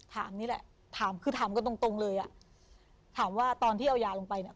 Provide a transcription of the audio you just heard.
ถามนี่แหละคือถามก็ตรงเลยอ่ะถามว่าตอนที่เอายาลงไปน่ะ